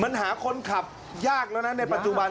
มันหาคนขับยากแล้วนะในปัจจุบัน